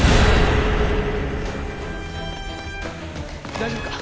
大丈夫か？